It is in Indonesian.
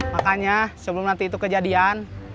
makanya sebelum nanti itu kejadian